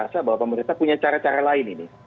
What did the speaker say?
saya rasa bahwa pemerintah punya cara cara lain ini